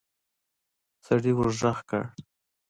سړي ورغږ کړ.